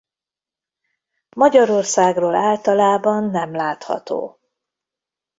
Magyarországról általában nem látható.